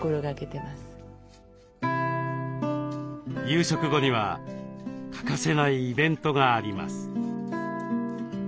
夕食後には欠かせないイベントがあります。